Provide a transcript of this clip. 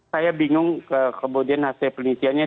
saya bingung kemudian hasil penelitiannya